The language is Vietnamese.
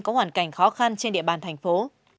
có hoàn cảnh khó khăn trên địa bàn thành phố